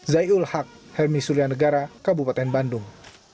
zai ul haq hermi sulianegara kabupaten bandung